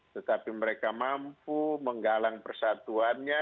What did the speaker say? tetapi mereka mampu menggalang persatuannya